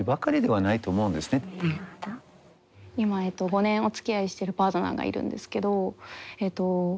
今５年おつきあいしてるパートナーがいるんですけどえっと